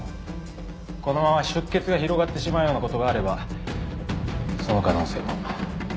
このまま出血が広がってしまうような事があればその可能性も。